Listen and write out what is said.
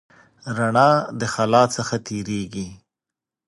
رڼا د خلا څخه تېرېږي.